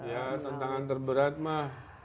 ya tantangan terberat mah